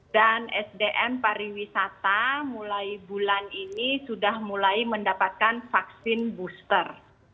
dan sdn pariwisata mulai bulan ini sudah mulai mendapatkan vaksin booster